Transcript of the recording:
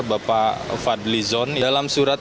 bapak fadli zon dalam surat